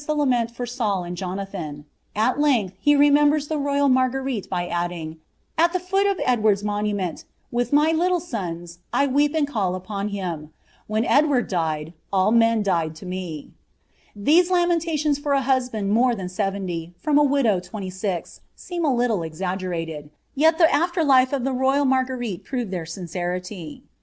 ••• The queen's chronicler proceeds liie lament for Saul and Jonathan ; at lengih he remeuiben ibe rojti Maiguerite by adding, " Al the Toot nf Edward'a mounmeni, with m; little fluns, 1 weep and call upon him. Whoa Edward died, all ncs died to me." These lamentationa for a husband more than seventy, from a widow Iwenty six, seem a tilile exaggerated; yet the after>life of the tojt Marenerile proved their sincerity.